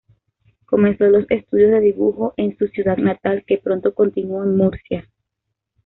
Comenzó los estudios de dibujo en su ciudad natal, que pronto continuó en Murcia.